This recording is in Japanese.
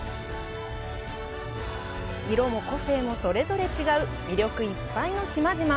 色も個性もそれぞれ違う魅力いっぱいの島々。